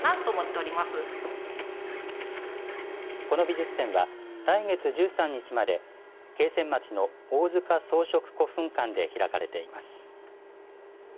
この美術展は来月１３日まで桂川町の王塚装飾古墳館で開かれています。